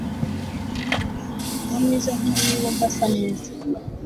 nta mwiza nk'umubi wumva asaneza